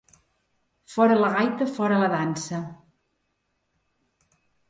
Fora la gaita, fora la dansa.